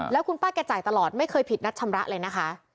แล้วคุณป้าแกจ่ายตลอดไม่เคยผิดนัดชำระเลยนะคะ